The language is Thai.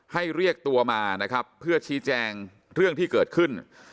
เรียกตัวมานะครับเพื่อชี้แจงเรื่องที่เกิดขึ้น